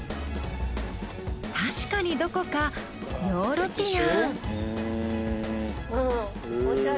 確かにどこかヨーロピアン。